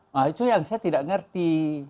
nah itu yang saya tidak mengerti